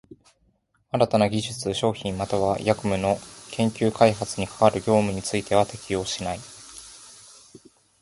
新たな技術、商品又は役務の研究開発に係る業務については適用しない。